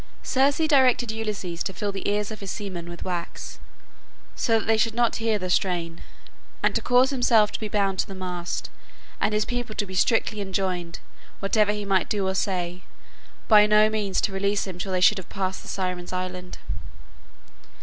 Circe directed Ulysses to fill the ears of his seamen with wax, so that they should not hear the strain; and to cause himself to be bound to the mast, and his people to be strictly enjoined, whatever he might say or do, by no means to release him till they should have passed the Sirens' island.